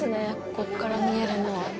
ここから見えるのは。